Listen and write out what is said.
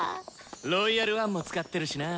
「ロイヤル・ワン」も使ってるしな。